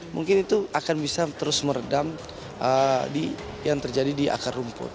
mungkin itu akan bisa terus meredam yang terjadi di akar rumput